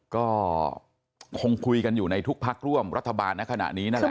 ก็คงคุยกันอยู่ในทุกพักร่วมรัฐบาลในขณะนี้นั่นแหละ